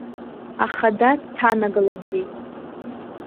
Ахада дҭанагалаӡеит.